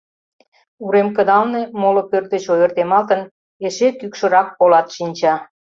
Урем кыдалне, моло пӧрт деч ойыртемалтын, эше кӱкшырак полат шинча.